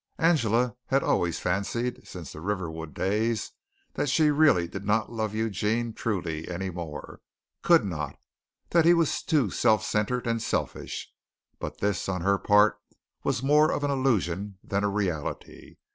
Angela had always fancied since the Riverwood days that she really did not love Eugene truly any more could not, that he was too self centered and selfish; but this on her part was more of an illusion than a reality.